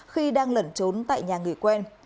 khi đang lẩn trốn tại nhà người quen